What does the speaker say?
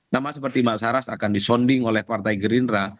nama seperti mbak saras akan disonding oleh partai gerindra